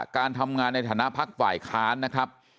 การทำงานในฐานะพักฝ่ายค้านนะครับ